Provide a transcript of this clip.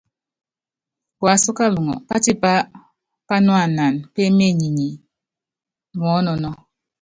Kuasú kaluŋɔ, patipá panuanan pééminenyi muɔ́nɔnɔ́.